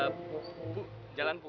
bu jalan bu